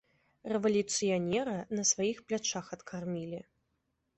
Рэвалюцыянера на сваіх плячах адкармілі.